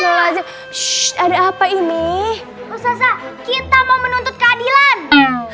ada apa ini musasa kita mau menuntut keadilan